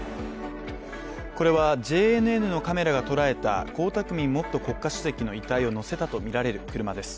これはＪＮＮのカメラがとらえた江沢民元国家主席の遺体をのせたとみられる車です。